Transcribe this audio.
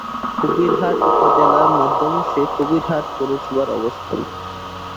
কবিরহাট উপজেলার মধ্যাংশে কবিরহাট পৌরসভার অবস্থান।